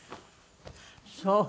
そう。